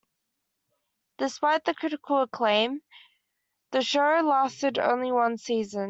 Despite the critical acclaim, the show lasted only one season.